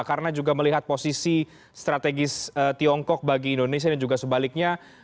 karena juga melihat posisi strategis tiongkok bagi indonesia dan juga sebaliknya